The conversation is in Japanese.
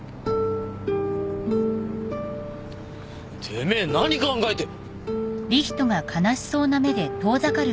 てめえ何考えて。